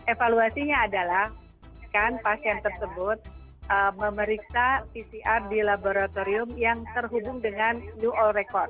evaluasinya adalah kan pasien tersebut memeriksa pcr di laboratorium yang terhubung dengan new all record